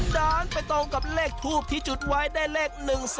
ด้านไปตรงกับเลขทูบที่จุดไว้ได้เลข๑๒